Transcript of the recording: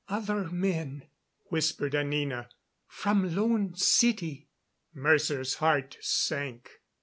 "Other men," whispered Anina. "From Lone City." Mercer's heart sank.